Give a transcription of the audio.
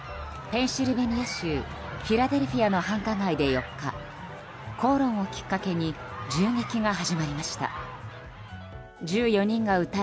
フィラデルフィアの繁華街で４日口論をきっかけに銃撃が始まりました。